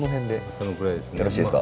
そのくらいですね。